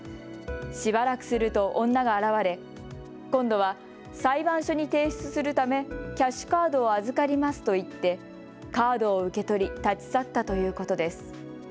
しばらくすると女が現れ、今度は、裁判所に提出するためキャッシュカードを預かりますと言ってカードを受け取り立ち去ったということです。